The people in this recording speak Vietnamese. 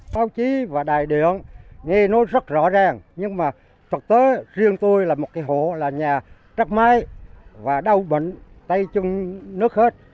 phóng chí và đại điện nghe nói rất rõ ràng nhưng mà thực tế riêng tôi là một cái hộ là nhà trắc mái và đau bệnh tay chung nước hết